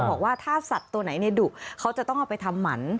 บอกว่าถ้าสัตว์ตัวไหนดุเขาจะต้องเอาไปทำหมัน